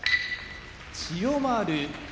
千代丸